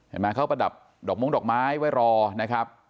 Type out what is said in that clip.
เห็นไหมเขาประดับดอกม้งดอกไม้ไว้รอนะครับ